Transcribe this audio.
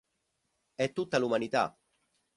È tutta l'umanità!